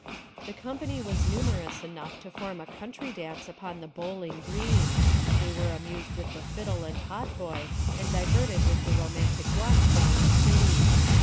The company was numerous enough to form a country dance upon the bowling green: they were amused with a fiddle and hautboy, and diverted with the romantic walks round the city.